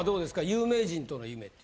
有名人との夢って。